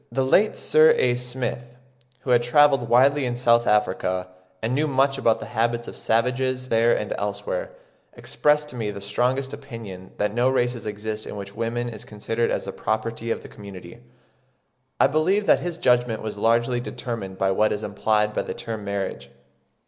The late Sir A. Smith, who had travelled widely in S. Africa, and knew much about the habits of savages there and elsewhere, expressed to me the strongest opinion that no race exists in which woman is considered as the property of the community. I believe that his judgment was largely determined by what is implied by the term marriage.